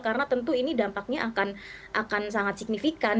karena tentu ini dampaknya akan sangat signifikan